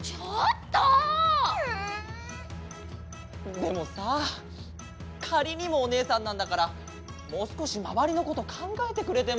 でもさかりにもおねえさんなんだからもうすこしまわりのことかんがえてくれても。